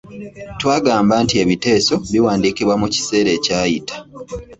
Twagambye nti ebiteeso biwandiikibwa mu kiseera ekyayita.